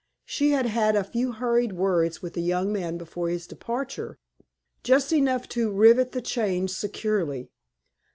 She had had a few hurried words with the young man before his departure just enough to rivet the chains securely.